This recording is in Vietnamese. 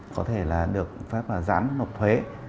có thể được phép giãn nộp thuế